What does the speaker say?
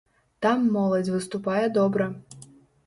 Там моладзь выступае добра.